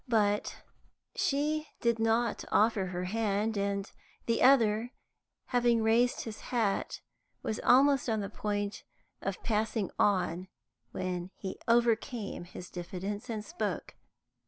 But she did not offer her hand, and the other, having raised his hat, was almost on the point of passing on, when he overcame his diffidence and spoke.